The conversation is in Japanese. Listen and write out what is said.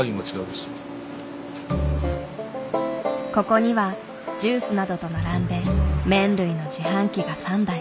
ここにはジュースなどと並んで麺類の自販機が３台。